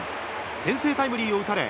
先制タイムリーを打たれ